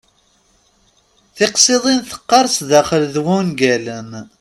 Tiqsiḍin teqqar sdaxel d wungalen.